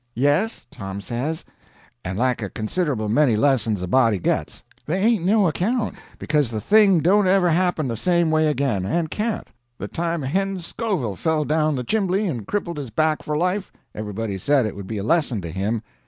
"Yes," Tom says, "and like a considerable many lessons a body gets. They ain't no account, because the thing don't ever happen the same way again—and can't. The time Hen Scovil fell down the chimbly and crippled his back for life, everybody said it would be a lesson to him.